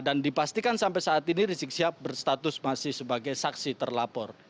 dan dipastikan sampai saat ini rizik sihab berstatus masih sebagai saksi terlapor